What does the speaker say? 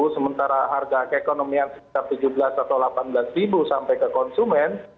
sementara harga keekonomian sekitar tujuh belas atau delapan belas sampai ke konsumen